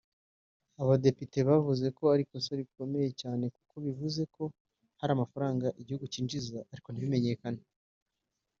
Abadepite bavuze ko ari ikosa rikomeye cyane kuko bivuze ko hari amafaranga igihugu cyinjiza ariko ntibimenyekane